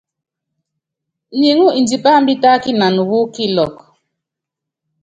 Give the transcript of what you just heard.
Nyiŋú indipá imbítákinan wu nɔkilɔk.